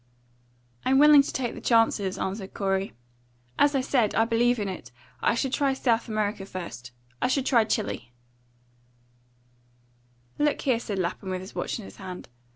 "I'm willing to take the chances," answered Corey. "As I said, I believe in it. I should try South America first. I should try Chili." "Look here!" said Lapham, with his watch in his hand.